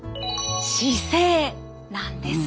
姿勢なんです。